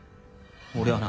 俺はな